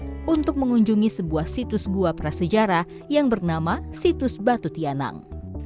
ini untuk mengunjungi sebuah situs gua prasejarah yang bernama situs batu tianang